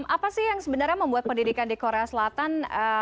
apa sih yang sebenarnya membuat pendidikan di korea selatan